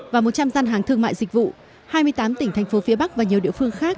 và một trăm linh gian hàng thương mại dịch vụ hai mươi tám tỉnh thành phố phía bắc và nhiều địa phương khác